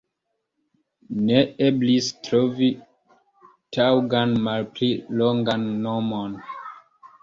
Ne eblis trovi taŭgan malpli longan nomon.